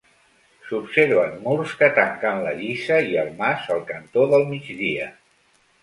S'observen murs que tanquen la lliça i el mas al cantó del migdia.